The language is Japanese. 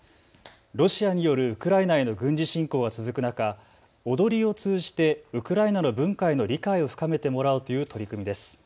ロシアによるウクライナへの軍事侵攻が続く中、踊りを通じてウクライナの文化への理解を深めてもらおうという取り組みです。